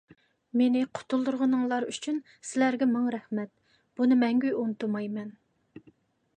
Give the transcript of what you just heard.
مېنى قۇتۇلدۇرغىنىڭلار ئۈچۈن سىلەرگە مىڭ رەھمەت! بۇنى مەڭگۈ ئۇنتۇمايمەن.